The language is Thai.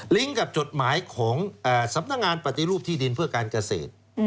กับจดหมายของสำนักงานปฏิรูปที่ดินเพื่อการเกษตร